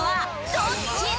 どっちだ？